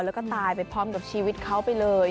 แล้วก็ตายไปพร้อมกับชีวิตเขาไปเลย